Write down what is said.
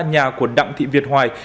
nhà của đặng thị việt hoài